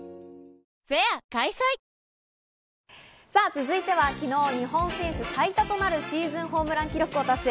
続いては昨日、日本選手最多となるシーズンホームラン記録を達成。